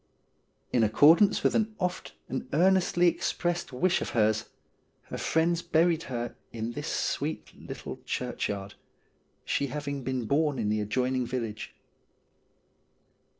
In accordance with an oft and earnestly expressed wish of hers, her friends buried her in this sweet little churchyard, she having been born in the adjoining village.